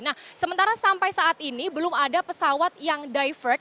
nah sementara sampai saat ini belum ada pesawat yang divert